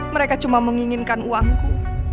mereka cuma menginginkan uangku